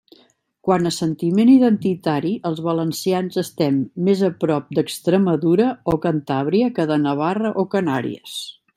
Quant a sentiment identitari els valencians estem més a prop d'Extremadura o Cantàbria que de Navarra o Canàries.